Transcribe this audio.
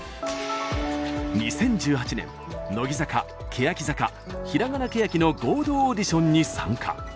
２０１８年、乃木坂欅坂、ひらがなけやきの合同オーディションに参加。